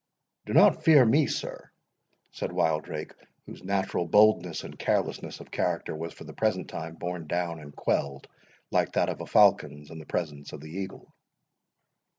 "Do not fear me, sir," said Wildrake, whose natural boldness and carelessness of character was for the present time borne down and quelled, like that of falcon's in the presence of the eagle.